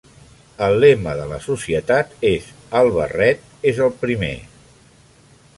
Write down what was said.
El lema de la societat és "El barret és el primer".